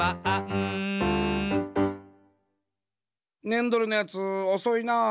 ねんどれのやつおそいなあ。